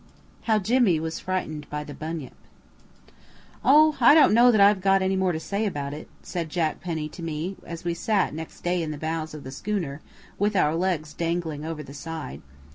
HOW JIMMY WAS FRIGHTENED BY THE BUNYIP. "Oh, I don't know that I've got any more to say about it," said Jack Penny to me as we sat next day in the bows of the schooner, with our legs dangling over the side.